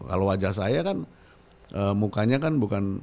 kalau wajah saya kan mukanya kan bukan